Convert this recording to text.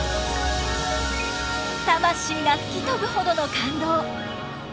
魂がふきとぶほどの感動！